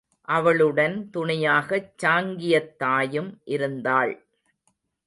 அவளுடன் துணையாகச் சாங்கியத் தாயும் இருந்தாள்.